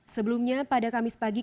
sebelumnya pada kamis pagi